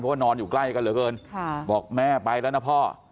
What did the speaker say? เพราะว่านอนอยู่ใกล้กันเหลือเกินบอกแม่ไปแล้วนะพ่อ